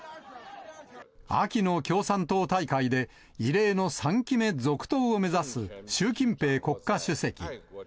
秋の共産党大会で、異例の３期目続投を目指す習近平国家主席。